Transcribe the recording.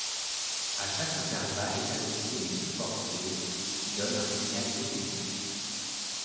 À chaque intervalle est associée une sous-porteuse, qui donne un signal modulé.